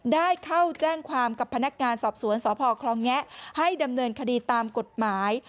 ได้เข้าแจ้งความกับพนักงานสอบสวนสพคลองแงะให้ดำเนินคดีตามกฎหมาย